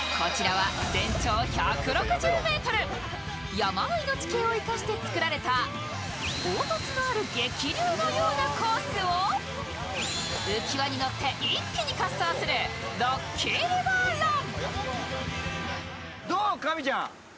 山あいの地形を生かして作られた凹凸のある激流のあるコースを浮き輪に乗って一気に滑走するロッキーリバーラン。